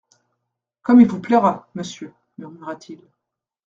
Comme il vous plaira, monsieur, murmura-t-il.